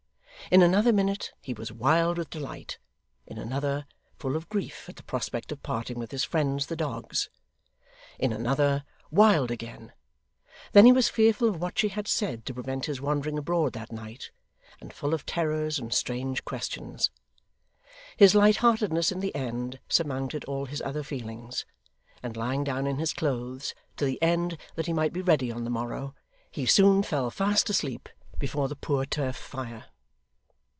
In another minute, he was wild with delight; in another, full of grief at the prospect of parting with his friends the dogs; in another, wild again; then he was fearful of what she had said to prevent his wandering abroad that night, and full of terrors and strange questions. His light heartedness in the end surmounted all his other feelings, and lying down in his clothes to the end that he might be ready on the morrow, he soon fell fast asleep before the poor turf fire.